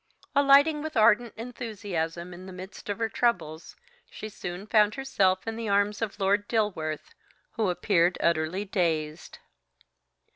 Alighting with ardent enthusiasm in the very midst of her troubles, she soon found herself in the arms of Lord Dilworth, who appeared utterly dazed.